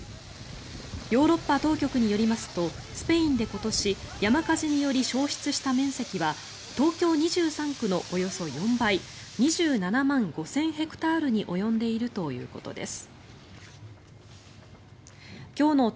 ヨーロッパ当局によりますとスペインで今年山火事により焼失した面積は東京２３区のおよそ４倍２７万５０００ヘクタールに及んでいるということです。